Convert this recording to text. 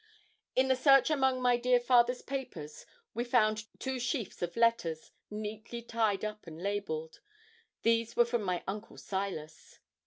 In the search among my dear father's papers we found two sheafs of letters, neatly tied up and labelled these were from my uncle Silas.